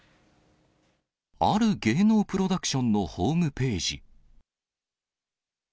ある芸能プロダクションのホームページ。